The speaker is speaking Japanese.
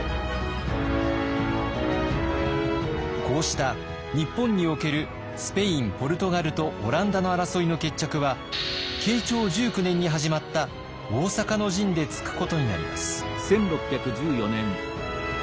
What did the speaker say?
こうした日本におけるスペインポルトガルとオランダの争いの決着は慶長１９年に始まった大坂の陣でつくことになります。